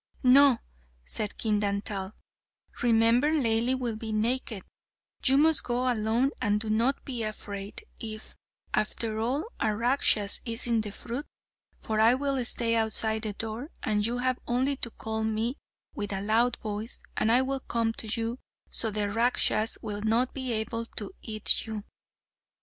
"No," said King Dantal; "remember, Laili will be naked; you must go alone and do not be afraid if, after all, a Rakshas is in the fruit, for I will stay outside the door, and you have only to call me with a loud voice, and I will come to you, so the Rakshas will not be able to eat you."